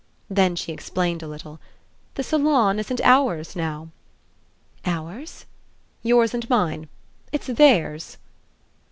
Then she explained a little: "The salon isn't ours now." "Ours?" "Yours and mine. It's theirs."